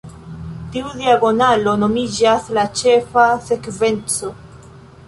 Tiu diagonalo nomiĝas "la ĉefa sekvenco".